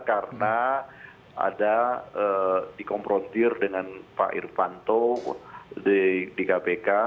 karena ada dikomprotir dengan pak irpanto di kpk